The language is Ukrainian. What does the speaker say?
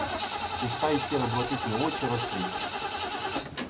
Уста й сіро-блакитні очі розкриті.